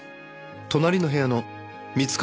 隣の部屋の三ツ門